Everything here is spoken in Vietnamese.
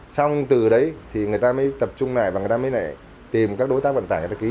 xong từ đấy thì người ta mới tập trung lại và người ta mới lại tìm các đối tác vận tải người ta ký